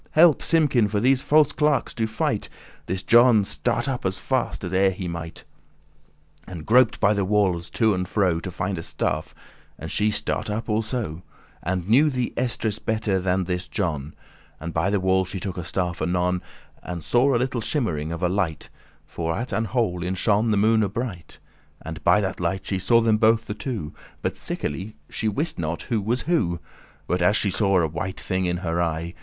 Help, Simkin, for these false clerks do fight" This John start up as fast as e'er he might, And groped by the walles to and fro To find a staff; and she start up also, And knew the estres* better than this John, *apartment And by the wall she took a staff anon: And saw a little shimmering of a light, For at an hole in shone the moone bright, And by that light she saw them both the two, But sickerly* she wist not who was who, *certainly But as she saw a white thing in her eye.